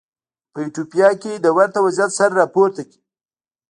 په ایتوپیا کې د ورته وضعیت سر راپورته کړ.